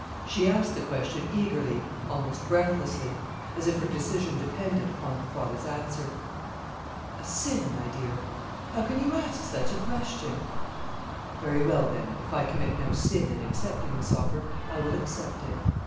She asked the question eagerly, almost breathlessly; as if her decision depended upon her father's answer. "A sin, my dear! How can you ask such a question?" "Very well, then; if I commit no sin in accepting this offer, I will accept it."